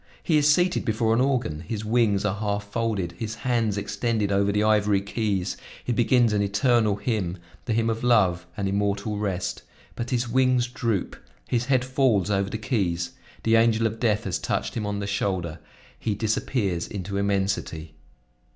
He is seated before an organ; his wings are half folded, his hands extended over the ivory keys; he begins an eternal hymn; the hymn of love and immortal rest, but his wings droop, his head falls over the keys; the angel of death has touched him on the shoulder, he disappears into immensity!